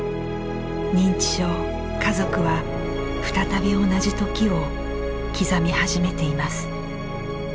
認知症家族は再び同じ時を刻み始めています。